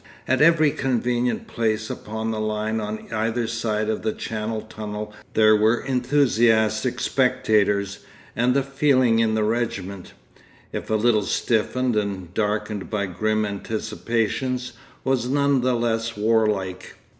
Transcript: At every convenient place upon the line on either side of the Channel Tunnel there were enthusiastic spectators, and the feeling in the regiment, if a little stiffened and darkened by grim anticipations, was none the less warlike.